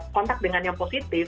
kontak dengan yang positif